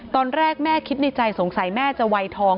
ตอนแรกแม่คิดในใจสงสัยแม่จะวัยทอง